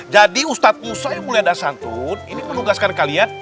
jadi ustadz musayyid mulyadah santun ini menugaskan kalian